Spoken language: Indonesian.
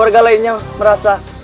warga lainnya merasa